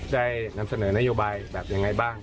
ได้นำเสนอนโยบายแบบยังไงบ้าง